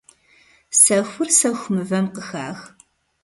Сэхур сэху мывэм къыхах.